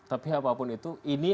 tapi apapun itu ini